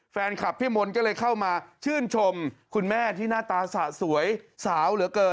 แฟนคลับพี่มนต์ก็เลยเข้ามาชื่นชมคุณแม่ที่หน้าตาสะสวยสาวเหลือเกิน